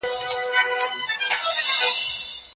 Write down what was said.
هغه ساینسپوه چي په ژوندپوهنه کي کار کوي، د احترام وړ دی.